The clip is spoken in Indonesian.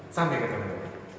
sampai ketemu lagi